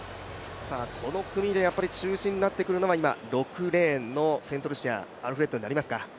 この組で中心になってくるのは６レーンのセントルシア、アルフレッド選手になりますか。